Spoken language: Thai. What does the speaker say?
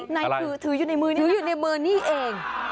อะไรถืออยู่ในมือนี่นะนี่เอง